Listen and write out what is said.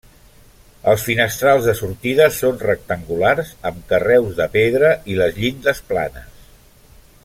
Els finestrals de sortida són rectangulars, amb carreus de pedra i les llindes planes.